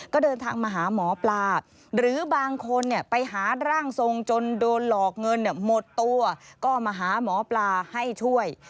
ก็เดินทางมาหาหมอปลาหรือบางคนเนี่ยไปหาร่างทรงจนโดนหลอกเงินหมดตัวก็มาหาหมอปลาให้ช่วย